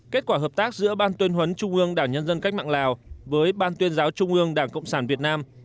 kết quả hợp tác giữa ban tuyên huấn trung ương đảng nhân dân cách mạng lào với ban tuyên giáo trung ương đảng cộng sản việt nam